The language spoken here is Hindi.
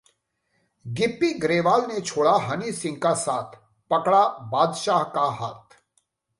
गिप्पी ग्रेवाल ने छोड़ा हनी सिंह का साथ, पकड़ा बादशाह का हाथ